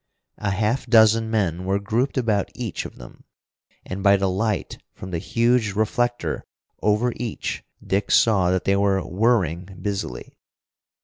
A half dozen men were grouped about each of them, and by the light from the huge reflector over each Dick saw that they were whirring busily.